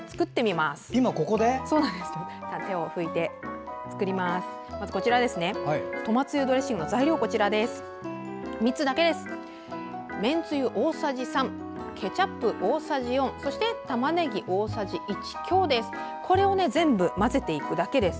まずトマつゆドレッシングの材料３つだけです。